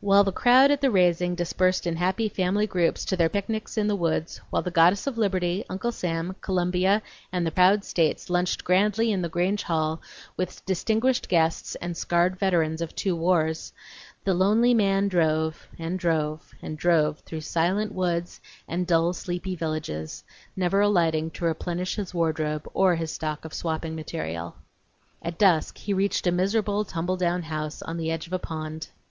While the crowd at the raising dispersed in happy family groups to their picnics in the woods; while the Goddess of Liberty, Uncle Sam, Columbia, and the proud States lunched grandly in the Grange hall with distinguished guests and scarred veterans of two wars, the lonely man drove, and drove, and drove through silent woods and dull, sleepy villages, never alighting to replenish his wardrobe or his stock of swapping material. At dusk he reached a miserable tumble down house on the edge of a pond.